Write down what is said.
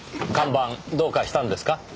看板どうかしたんですか？